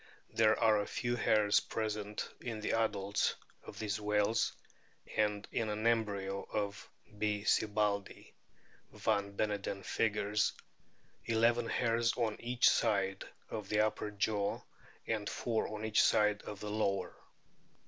There are a few hairs present in the adults of these whales, and in an embryo of B. sibbaldii van Beneden figures eleven hairs on each side of the upper jaw and four on each side of the lower.